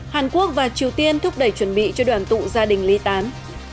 hàn quốc và triều tiên thúc đẩy chuẩn bị cho đoàn tụ gia đình ly tán